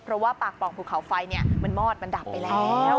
เพราะว่าปากป่องภูเขาไฟมันมอดมันดับไปแล้ว